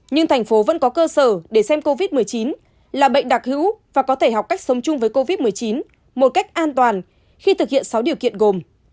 nhưng thành phố vẫn có cơ sở để xem covid một mươi chín là bệnh đặc hữu và có thể học cách sống chung với covid một mươi chín một cách an toàn khi thực hiện sáu điều kiện gồm